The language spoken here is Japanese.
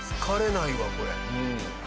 疲れないわこれ。